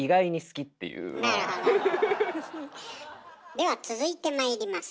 では続いてまいります。